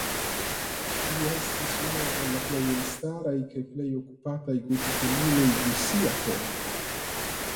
Li estis unu el la plej elstaraj kaj plej okupataj gotikemuloj de sia tempo.